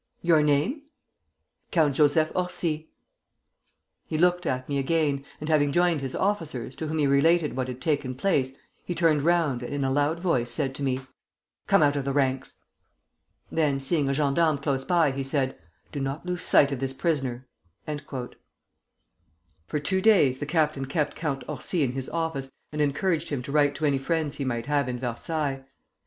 'Your name?' 'Count Joseph Orsi.' He looked at me again, and having joined his officers, to whom he related what had taken place, he turned round and in a loud voice said to me: 'Come out of the ranks.' Then, seeing a gendarme close by, he said: 'Do not lose sight of this prisoner.'" For two days the captain kept Count Orsi in his office and encouraged him to write to any friends he might have in Versailles.